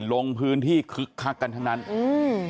ลงพื้นที่คึกคักกันทั้งนั้นอืม